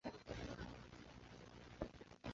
拉维热里耶。